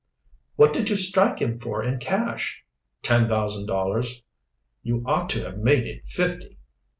"What did you strike him for in cash?" "Ten thousand dollars." "You ought to have made it fifty."